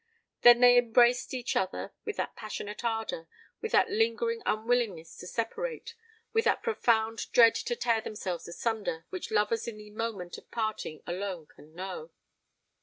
Then they embraced each other with that passionate ardour—with that lingering unwillingness to separate—with that profound dread to tear themselves asunder, which lovers in the moment of parting alone can know.